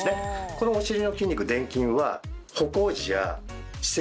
このお尻の筋肉臀筋は。